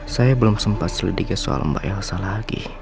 saya belum sempat selidiki soal mbak elsa lagi